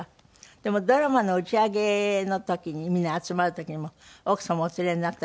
でもドラマの打ち上げの時にみんなで集まる時にも奥様をお連れになったりもするんですって？